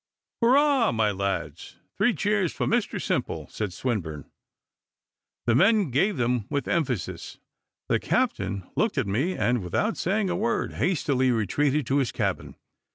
"Hurrah, my lads! three cheers for Mr Simple," said Swinburne. The men gave them with emphasis. The captain looked at me, and without saying a word, hastily retreated to his cabin.